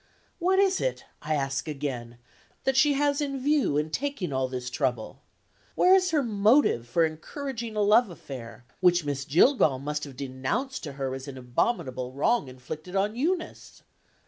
What is it, I ask again, that she has in view in taking all this trouble? Where is her motive for encouraging a love affair, which Miss Jillgall must have denounced to her as an abominable wrong inflicted on Eunice?